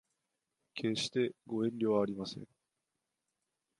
決してご遠慮はありません